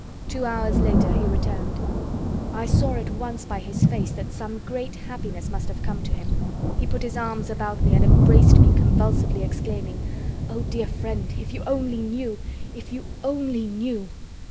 Two hours later he returned. I saw at once by his face that some great happiness must have come to him. He put his arms about me and embraced me convulsively, exclaiming: "Oh, dear friend, if you only knew, if you only knew!"